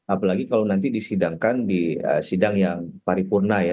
apalagi kalau nanti disidangkan di sidang yang paripurna ya